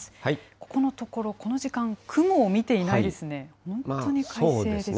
ここのところ、この時間、雲を見ていないですね。